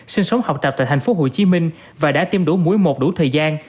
sinh sống học tập tại tp hcm và đã tiêm đủ mũi một đủ thời gian